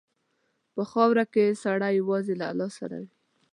په خاوره کې سړی یوازې له الله سره وي.